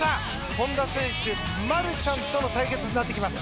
本多選手、マルシャンとの対決になってきます。